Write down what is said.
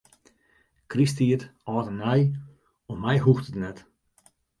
Krysttiid, âld en nij, om my hoecht it net.